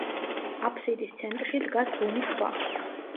აბსიდის ცენტრში დგას ბუნის ქვა.